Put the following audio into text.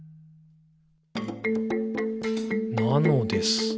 「なのです。」